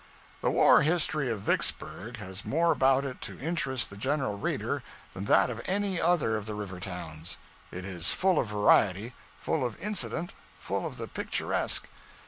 The war history of Vicksburg has more about it to interest the general reader than that of any other of the river towns. It is full of variety, full of incident, full of the picturesque.